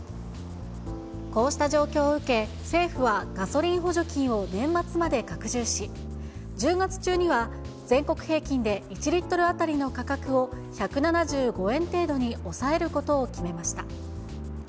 こうした状況を受け、政府はガソリン補助金を年末まで拡充し、１０月中には全国平均で１リットル当たりの価格を１７５円程度に抑えることを決めました。